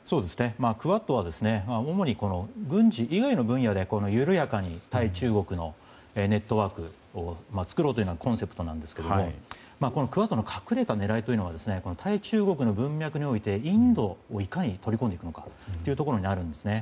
クアッドは主に軍事の分野で緩やかに対中国のネットワークを作ろうというのがコンセプトなんですがクアッドの隠れた狙いというのが対中国の文脈においてインドをいかに取り込むかというところになるんですね。